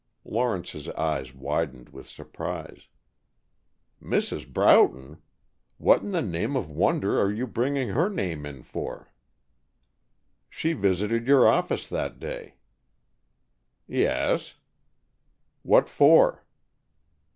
Lawrence's eyes widened with surprise. "Mrs. Broughton! What in the name of wonder are you bringing her name in for?" "She visited your office that day." "Yes." "What for?"